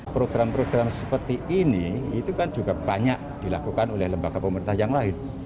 program program seperti ini itu kan juga banyak dilakukan oleh lembaga pemerintah yang lain